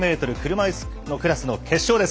車いすのクラスの決勝です。